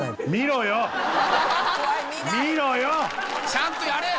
ちゃんとやれ！